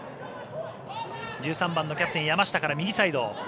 １３番のキャプテン、山下から右サイド。